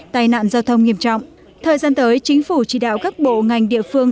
tai nạn giao thông nghiêm trọng thời gian tới chính phủ chỉ đạo các bộ ngành địa phương